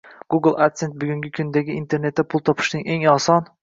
Google adsense bugungi kundagi internetda pul topishning eng oson